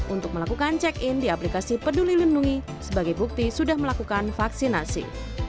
untuk melakukan check in di aplikasi peduli lindungi sebagai bukti sudah melakukan vaksinasi